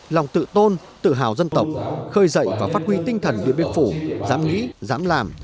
lòng tự tôn tự hào dân tộc khơi dậy và phát huy tinh thần điện biên phủ dám nghĩ dám làm